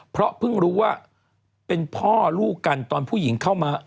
เพราะเพิ่งรู้ว่าเป็นพ่อลูกกันตอนผู้หญิงเข้ามา